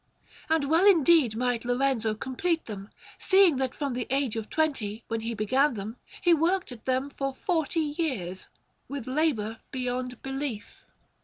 And well indeed might Lorenzo complete them, seeing that from the age of twenty, when he began them, he worked at them for forty years, with labour beyond belief.